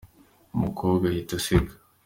Umukobwa ahita aseka.